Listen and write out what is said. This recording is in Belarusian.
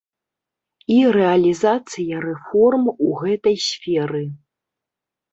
І рэалізацыя рэформ у гэтай сферы.